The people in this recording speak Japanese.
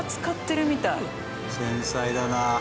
繊細だな。